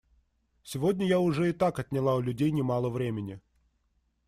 Сегодня я уже и так отняла у людей немало времени.